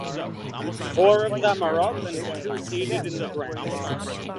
Four of them are up and two seated in the ground.